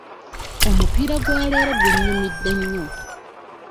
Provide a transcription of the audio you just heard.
Omupiira gwa leero gunnyumidde nnyo.